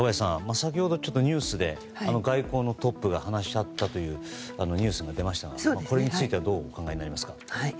先ほどニュースで外交のトップが話し合ったというニュースが出ましたがこれについてはどうお考えになりますか？